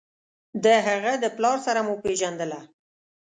د هغه د پلار سره مو پېژندله.